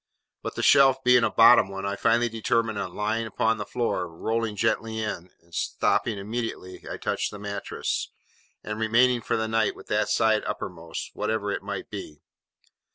But the shelf being a bottom one, I finally determined on lying upon the floor, rolling gently in, stopping immediately I touched the mattress, and remaining for the night with that side uppermost, whatever it might be.